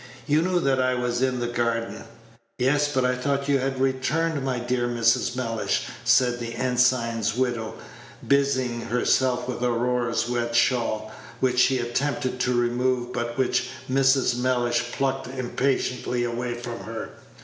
"You knew that I was in the garden." "Yes, but I thought you had returned, my dear Mrs. Mellish," said the ensign's widow, busying herself with Aurora's wet shawl, which she attempted to remove, but which Mrs. Mellish plucked impatiently away from her.